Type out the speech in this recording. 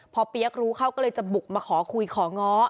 พอเปี๊ยกรู้เข้าก็เลยจะบุกมาขอคุยของ้อ